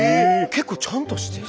結構ちゃんとしてる。